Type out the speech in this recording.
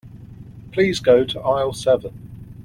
Please go to aisle seven.